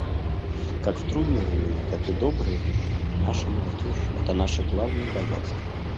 Как в трудные, так и добрые времена наша молодежь — это наше главное богатство.